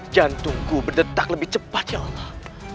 jantungku berdetak lebih cepat ya allah